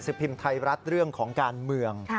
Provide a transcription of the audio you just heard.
พิมพ์ไทยรัฐเรื่องของการเมือง